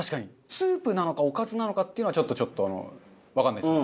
スープなのかおかずなのかっていうのはちょっとわかんないですよね。